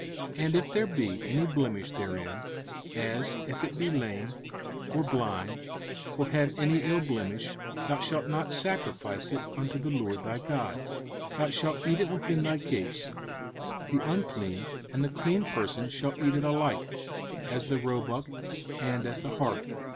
05:015:021 And if there be any blemish therein, as if it be lame, or blind, or have any ill blemish, thou shalt not sacrifice it unto the LORD thy God. 05:015:022 Thou shalt eat it within thy gates: the unclean and the clean person shall eat it alike, as the roebuck, and as the hart.